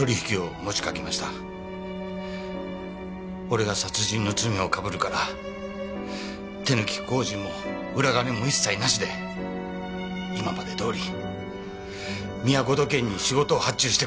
俺が殺人の罪をかぶるから手抜き工事も裏金も一切なしで今までどおりみやこ土建に仕事を発注してくれと。